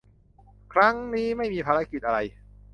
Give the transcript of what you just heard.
ครั้งนี้ไม่มีภารกิจอะไร